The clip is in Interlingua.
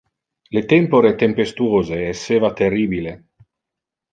Le tempore tempestuose esseva terribile.